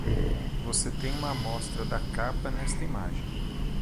Você tem uma amostra da capa nesta imagem.